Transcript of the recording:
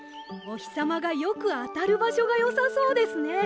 おひさまがよくあたるばしょがよさそうですね。